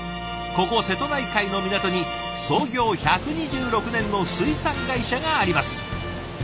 ここ瀬戸内海の港に創業１２６年の水産会社があります。